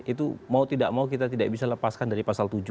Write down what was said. itu mau tidak mau kita tidak bisa lepaskan dari pasal tujuh